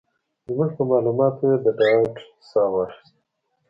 زموږ په مالوماتو یې د ډاډ ساه واخيسته.